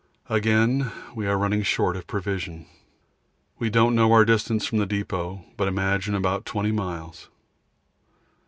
Again we are running short of provision. We don't know our distance from the depot, but imagine about 20 miles.